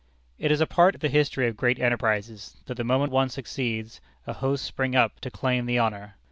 It is a part of the history of great enterprises, that the moment one succeeds, a host spring up to claim the honor.